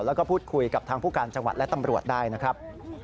แล้วก็พูดคุยกับทางผู้การจังหวัดและตำรวจได้นะครับ